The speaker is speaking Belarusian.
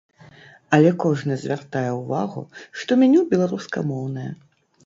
Але кожны звяртае ўвагу, што меню беларускамоўнае.